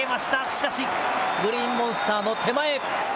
しかし、グリーンモンスターの手前。